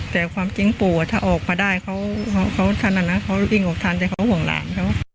แต่ความจริงปู่ถ้าออกมาได้เขาอิ่งออกทันแต่เขาห่วงหลาน